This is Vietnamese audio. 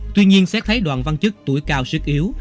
tuy nhiên xét thấy đoàn văn chức tuổi cao sức yếu